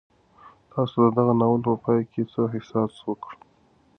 تاسو د دغه ناول په پای کې څه احساس وکړ؟